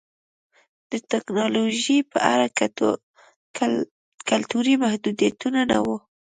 د ټکنالوژۍ په اړه کلتوري محدودیتونه نه وو